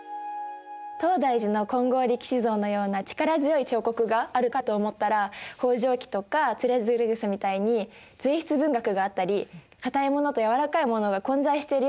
東大寺の金剛力士像のような力強い彫刻があるかと思ったら「方丈記」とか「徒然草」みたいに随筆文学があったり硬いものと軟らかいものが混在しているような印象があった。